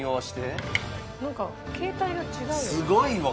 すごいわ！